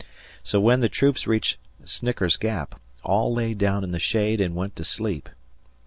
So when the troops reached Snicker's Gap, all lay down in the shade and went to sleep.